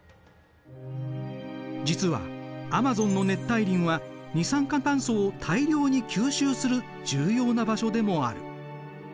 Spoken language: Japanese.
実はアマゾンの熱帯林は二酸化炭素を大量に吸収する重要な場所でもある。